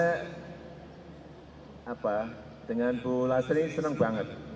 ini saya dengan bu lasri senang banget